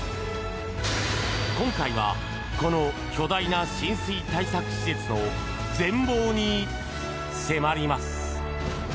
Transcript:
今回は、この巨大な浸水対策施設の全貌に迫ります。